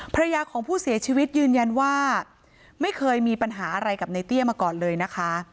ภรรยาของผู้เสียชีวิตยืนยันว่าไม่เคยมีปัญหาอะไรกับในเตี้ยมาก่อนเลยนะคะ